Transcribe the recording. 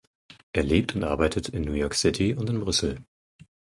Er lebt und arbeitet in New York City und in Brüssel.